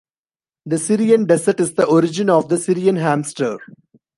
The Syrian Desert is the origin of the Syrian hamster.